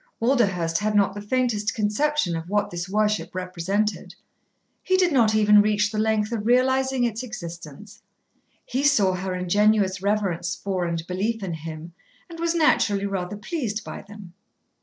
Walderhurst had not the faintest conception of what this worship represented. He did not even reach the length of realising its existence. He saw her ingenuous reverence for and belief in him, and was naturally rather pleased by them.